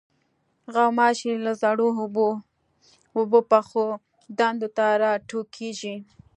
غوماشې له زړو اوبو، اوبو پخو ډنډو نه راټوکېږي.